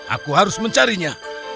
aku harus mencarinya